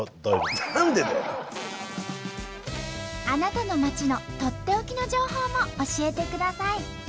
あなたの町のとっておきの情報も教えてください。